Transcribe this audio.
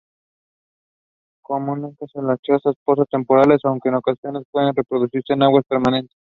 Comúnmente usa charcas y pozas temporales aunque ocasionalmente puede reproducirse en aguas permanentes.